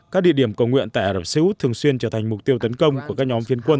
các địa điểm cầu nguyện tại ả rập xê út thường xuyên trở thành mục tiêu tấn công của các nhóm phiến quân